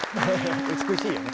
美しいよね。